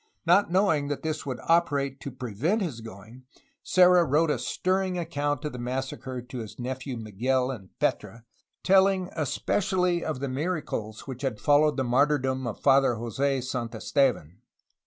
Not knowing that this would operate to prevent his going, Serra wrote a stirring account of the massacre to his nephew Miguel in Petra, telling especially of the miracles which had followed the martyrdom of Father Jose Santistevan.